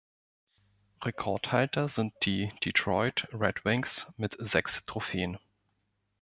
Rekordhalter sind die Detroit Red Wings mit sechs Trophäen.